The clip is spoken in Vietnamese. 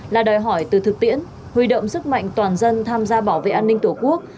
là đòi hỏi từ thực tiễn huy động sức mạnh toàn dân tham gia bảo vệ an ninh tổ quốc